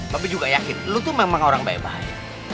bapak juga yakin lu tuh memang orang baik baik